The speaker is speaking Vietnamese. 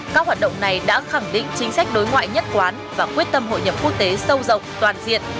các hoạt động này đã khẳng định chính sách đối ngoại nhất quán và quyết tâm hội nhập quốc tế sâu rộng toàn diện